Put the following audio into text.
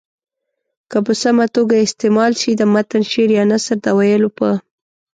که په سمه توګه استعمال سي د متن شعر یا نثر د ویلو په